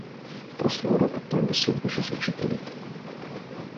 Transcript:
После урока той беседваше с учителите.